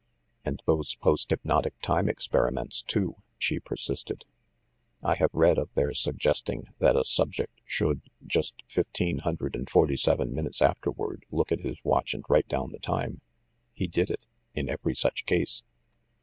"And those post hypnotic time experiments, too?" she persisted. "I have read of their suggesting that a subject should, just fifteen hundred and forty seven minutes afterward, look at his watch and write down the time. He did it, in every such case."